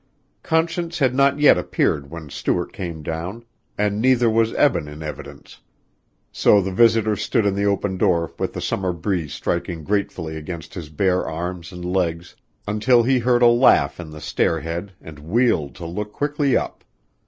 Conscience had not yet appeared when Stuart came down, and neither was Eben in evidence, so the visitor stood in the open door with the summer breeze striking gratefully against his bare arms and legs until he heard a laugh at the stair head and wheeled to look quickly up.